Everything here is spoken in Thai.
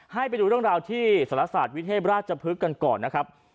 ให้ไปดูเรื่องราวที่ศาลศาสตร์วิเทพราชพฤกษ์กันก่อนนะครับ